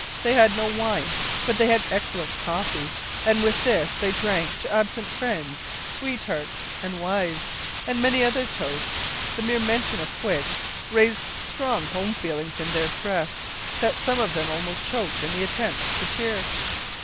They had no wine, but they had excellent coffee, and with this they drank to absent friends, sweethearts, and wives, and many other toasts, the mere mention of which raised such strong home feelings in their breasts that some of them almost choked in the attempt to cheer.